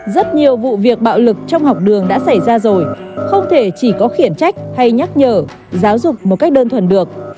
rất nhiều vụ việc bạo lực trong học đường đã xảy ra rồi không thể chỉ có khiển trách hay nhắc nhở giáo dục một cách đơn thuần được